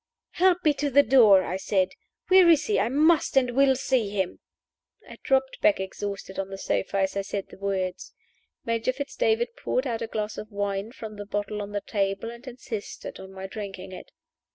"Help me to the door," I said. "Where is he? I must and will see him!" I dropped back exhausted on the sofa as I said the words. Major Fitz David poured out a glass of wine from the bottle on the table, and insisted on my drinking it.